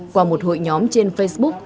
qua một hội nhóm trên facebook